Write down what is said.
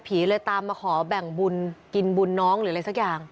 เลยตามมาขอแบ่งบุญกินบุญน้องหรืออะไรสักอย่าง